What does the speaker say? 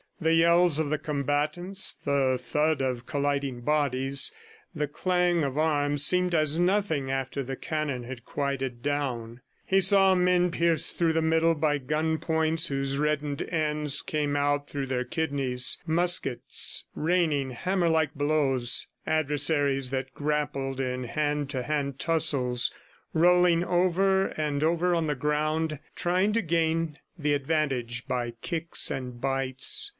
The yells of the combatants, the thud of colliding bodies, the clang of arms seemed as nothing after the cannon had quieted down. He saw men pierced through the middle by gun points whose reddened ends came out through their kidneys; muskets raining hammer like blows, adversaries that grappled in hand to hand tussles, rolling over and over on the ground, trying to gain the advantage by kicks and bites.